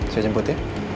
saya jemput ya